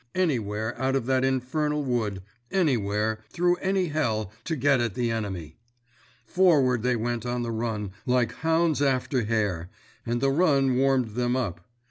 Anywhere, out of that infernal wood—anywhere, through any hell, to get at the enemy! Forward they went on the run like hounds after hare, and the run warmed them up.